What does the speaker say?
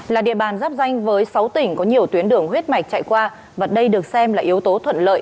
là địa bàn giáp danh với sáu tỉnh có nhiều tuyến đường huyết mạch chạy qua và đây được xem là yếu tố thuận lợi